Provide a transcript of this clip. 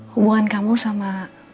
hubungan kamu sama